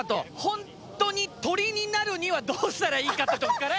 ほんとに鳥になるにはどうしたらいいかってとこから。